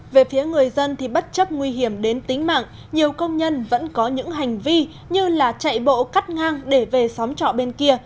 về phía người dân thì bất chấp nguy hiểm đến tính mạng nhiều công nhân vẫn có những hành vi như chạy bộ cắt ngang để về xóm trọ bên kia